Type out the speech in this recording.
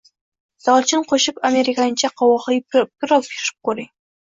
Dolchin qo‘shib amerikancha qovoqli pirog pishirib ko‘ring